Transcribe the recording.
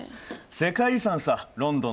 世界遺産さロンドンの。